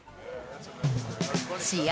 試合